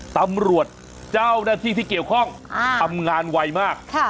ตำรวจเจ้าหน้าที่ที่เกี่ยวข้องทำงานไวมาก